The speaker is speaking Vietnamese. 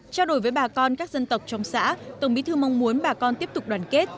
trao đổi với bà con các dân tộc trong xã tổng bí thư mong muốn bà con tiếp tục đoàn kết